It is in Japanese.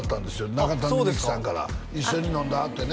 中谷美紀さんから一緒に飲んだってね